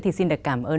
thì xin được cảm ơn